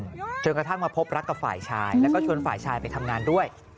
จนกระทั่งมาพบรักกับฝ่ายชายแล้วก็ชวนฝ่ายชายไปทำงานด้วย